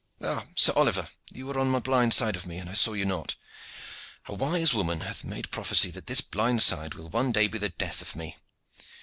Ah, Sir Oliver! you were on the blind side of me and I saw you not. A wise woman hath made prophecy that this blind side will one day be the death of me.